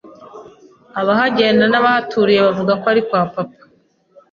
Abahagenda n’abahaturiye bavuga ko ari kwa Papa,